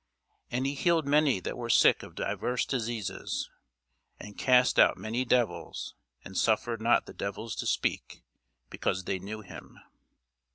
And he healed many that were sick of divers diseases, and cast out many devils; and suffered not the devils to speak, because they knew him.